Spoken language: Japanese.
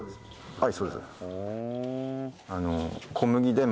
はい。